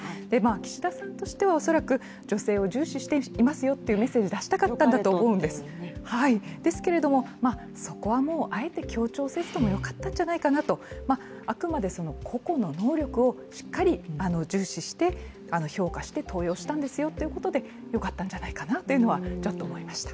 岸田さんとしては恐らく、女性を重視しているよというメッセージを出したかったんだと思いますがですけれども、そこはもうあえて強調せずともよかったんじゃないかなとあくまで個々の能力をしっかり重視して評価して登用したんですよということで、よかったんじゃないかなというのは、ちょっと思いました。